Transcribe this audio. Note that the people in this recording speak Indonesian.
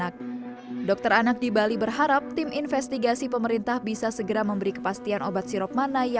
ya bisa satu pasien dapat dua tiga obat sirop